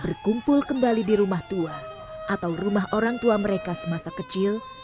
berkumpul kembali di rumah tua atau rumah orang tua mereka semasa kecil